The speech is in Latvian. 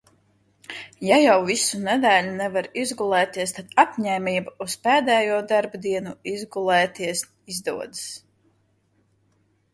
Ja jau visu nedēļu nevar izgulēties, tad apņēmība uz pēdējo darba dienu izgulēties izdodas.